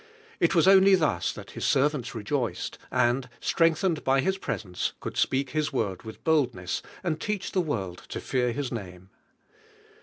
IE was only thus that nis servants re joiced, and, strengthened by His presence, could speak His Word with boldness and leach the world to fear His name.